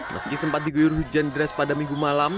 meski sempat diguyur hujan deras pada minggu malam